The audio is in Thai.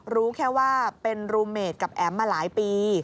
รู้แค่ว่าเป็นรูเมดกับแอ๋มมาหลายปี